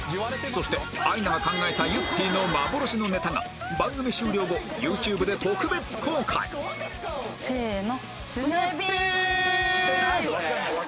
そしてアイナが考えたゆってぃの幻のネタが番組終了後 ＹｏｕＴｕｂｅ で特別公開せーの。